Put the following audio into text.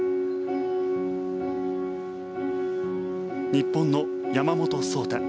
日本の山本草太。